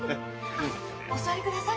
あっお座りください。